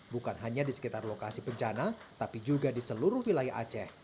bukan hanya di sekitar lokasi bencana tapi juga di seluruh wilayah aceh